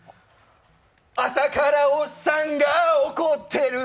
朝からおっさんが怒ってる。